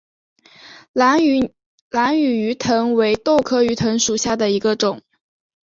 兰屿鱼藤为豆科鱼藤属下的一个种。